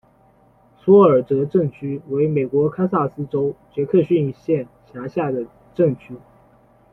索尔哲镇区为美国堪萨斯州杰克逊县辖下的镇区。